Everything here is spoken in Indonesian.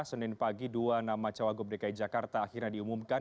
senin pagi dua nama cawagup dki jakarta akhirnya diumumkan